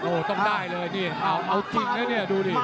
โอ้โหต้องได้เลยนี่เอาจริงแล้วเนี่ยดูดิ